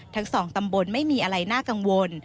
ทั้งสองตำบลไม่มีอะไรน่ากังวล